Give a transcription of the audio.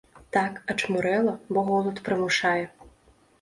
Так, ачмурэла, бо голад прымушае.